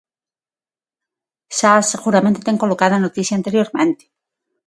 Xa seguramente ten colocada a noticia anteriormente.